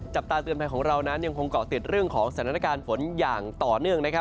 จับตาเตือนภัยของเรานั้นยังคงเกาะติดเรื่องของสถานการณ์ฝนอย่างต่อเนื่องนะครับ